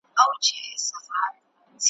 چي په خیال کي سوداګر د سمرقند وو ,